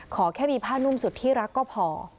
ขอแค่มีผ้านุ่มสุดที่รักก็พอ